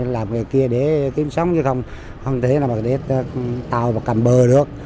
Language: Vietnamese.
làm nghề kia để kiếm sống chứ không không thể nào để tàu cầm bờ được